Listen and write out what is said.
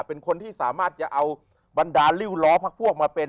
เป็นคนที่สามารถจะเอาบันดาลริ้วล้อพักพวก